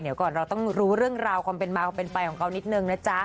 เดี๋ยวก่อนเราต้องรู้เรื่องราวความเป็นมาความเป็นไปของเขานิดนึงนะจ๊ะ